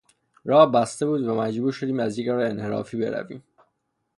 راه بسته بود و مجبور شدیم از یک راه انحرافی برویم.